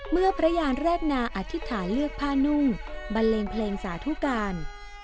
เมื่อพระยานแรกนาอธิษฐานเลือกผ้านุ่งบันเลงเพลงสาธุการ